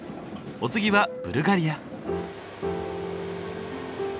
お次はブルガリア。